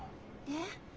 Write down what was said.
えっ？